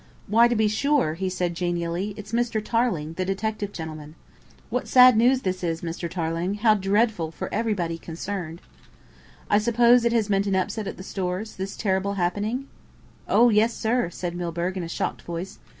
"Why, to be sure," he said genially, "it's Mr. Tarling, the detective gentleman. What sad news this is, Mr. Tarling! How dreadful for everybody concerned!" "I suppose it has meant an upset at the Stores, this terrible happening?" "Oh, yes, sir," said Milburgh in a shocked voice.